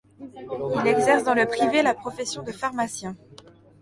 Il exerce dans le privé la profession de pharmacien.